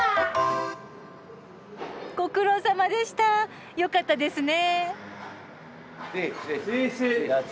ご苦労さまでした。よかったですね。